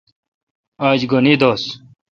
آج گھن عید دوس۔